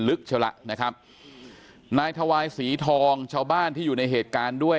เช่าละนะครับนายทวายศรีทองชาวบ้านที่อยู่ในเหตุการณ์ด้วย